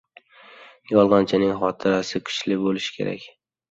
• Yolg‘onchining xotirasi kuchli bo‘lishi kerak.